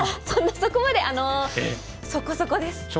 そんなそこまでそこそこです。